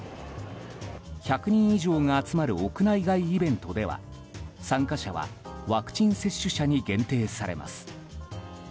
１００人以上が集まる屋内外イベントでは参加者はワクチン接種者に限定されます。